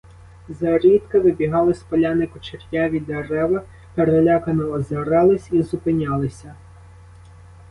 Зрідка вибігали з поляни кучеряві дерева, перелякано озирались і зупинялися.